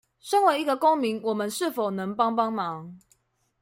身為一個公民我們是否能幫幫忙